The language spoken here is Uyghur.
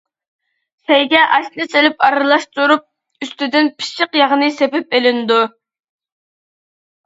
سەيگە ئاشنى سېلىپ ئارىلاشتۇرۇپ ئۈستىدىن پىششىق ياغنى سېپىپ ئېلىنىدۇ.